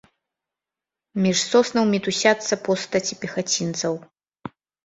Між соснаў мітусяцца постаці пехацінцаў.